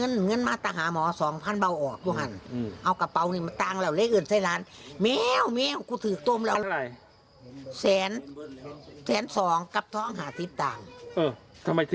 เออทำไมเก็บเงินเยอะแมวแกนี่